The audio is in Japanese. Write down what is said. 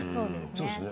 そうですね。